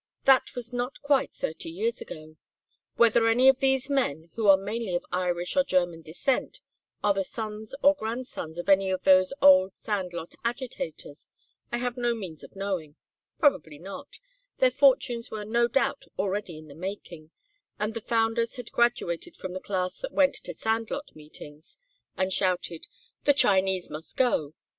That was not quite thirty years ago. Whether any of these men, who are mainly of Irish or German descent, are the sons or grandsons of any of those old Sand lot agitators I have no means of knowing; probably not, their fortunes were no doubt already in the making, and the founders had graduated from the class that went to sand lot meetings and shouted, 'The Chinese must go.'